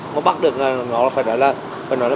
mà bắt được là phải nói là